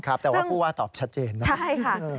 ครับแต่ว่าผู้ว่าตอบชัดเจนใช่ไหม